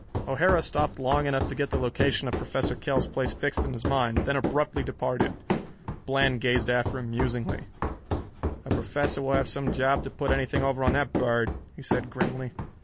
O'Hara stopped long enough to get the location of Professor Kell's place fixed in his mind, then abruptly departed. Bland gazed after him musingly. "The Professor will have some job to put anything over on that bird," he said grimly.